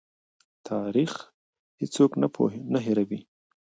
تاریخ هېڅوک نه هېروي.